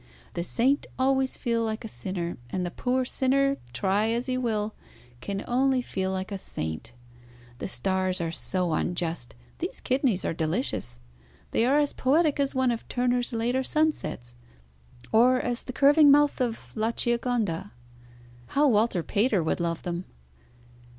The saint always feel like a sinner, and the poor sinner, try as he will, can only feel like a saint. The stars are so unjust. These kidneys are delicious. They are as poetic as one of Turner's later sunsets, or as the curving mouth of La Gioconda. How Walter Pater would love them."